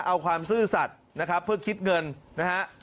เอาความซื่อสัตว์นะครับเพื่อคิดเงินนะฮะ